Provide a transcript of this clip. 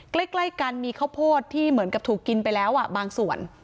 ใกล้กันมีข้าวโพดที่เหมือนกับถูกกินไปแล้วบางส่วน